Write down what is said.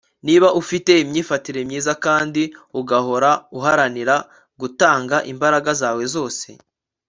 niba ufite imyifatire myiza kandi ugahora uharanira gutanga imbaraga zawe zose